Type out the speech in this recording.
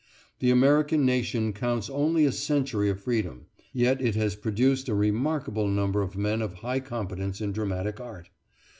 The American nation counts only a century of freedom, yet it has produced a remarkable number of men of high competence in dramatic art.